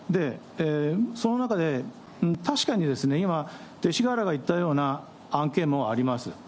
その中で、確かに今、勅使河原が言ったような案件もあります。